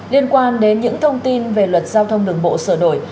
liên quan đến những thông tin về luật giao thông đường bộ sửa đổi